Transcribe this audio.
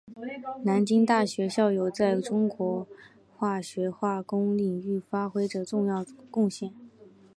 南京大学校友在中国化学化工领域发挥着重要的贡献。